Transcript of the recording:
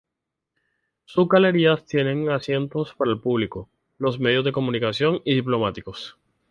Sus galerías tienen asientos para el público, los medio de comunicación y diplomáticos.